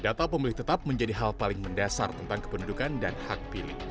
data pemilih tetap menjadi hal paling mendasar tentang kependudukan dan hak pilih